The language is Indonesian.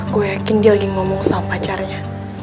gue yakin dia lagi ngomong sama pacarnya